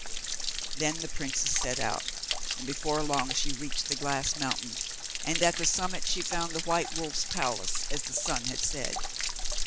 Then the princess set out, and before long she reached the glass mountain, and at the summit she found the white wolf's palace, as the sun had said.